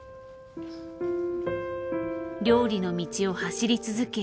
料理の道を走り続け